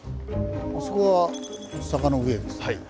あそこは坂の上ですね。